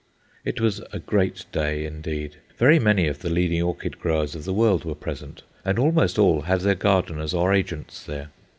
It was a great day indeed. Very many of the leading orchid growers of the world were present, and almost all had their gardeners or agents there.